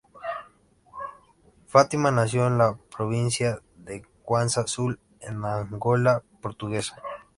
Fátima nació en la provincia de Cuanza Sul, en la Angola portuguesa.